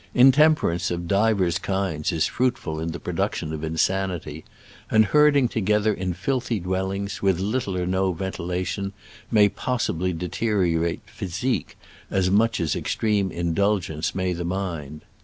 Intemperance of divers kinds is fruitful in the production of insanity, and herding together in filthy dwellings, with little or no ventilation, may possibly deteriorate physique as much as extreme indulgence may the mind.